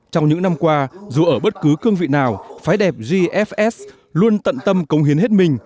trong những năm qua dù ở bất cứ cương vị nào phái đẹp gfs luôn tận tâm công hiến hết mình